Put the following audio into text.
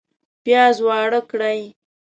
پیاز واړه کړئ